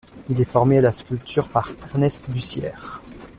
Il est formé à la sculpture par Ernest Bussière.